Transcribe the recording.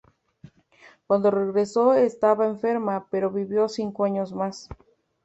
Cuando regresó estaba enferma, pero vivió cinco años más.